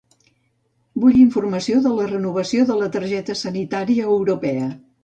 Vull informació de la renovació de la targeta sanitària europea.